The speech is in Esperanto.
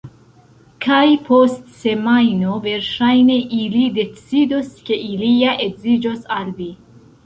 Kaj post semajno, verŝajne, ili decidos ke ili ja edziĝos al vi.